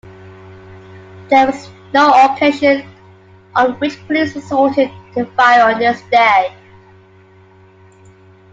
There was no occasion on which police resorted to firing on this day.